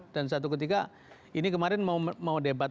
dan satu ketika ini kemarin mau debat